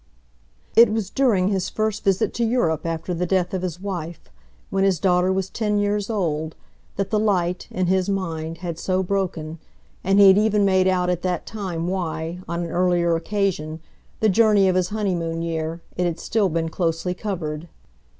It was during his first visit to Europe after the death of his wife, when his daughter was ten years old, that the light, in his mind, had so broken and he had even made out at that time why, on an earlier occasion, the journey of his honeymoon year, it had still been closely covered.